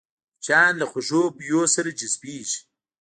مچان له خوږو بویونو سره جذبېږي